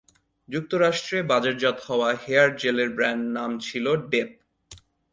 যুক্তরাষ্ট্রে বাজারজাত হওয়া হেয়ার জেলের ব্র্যান্ড নাম ছিল ‘ডেপ’।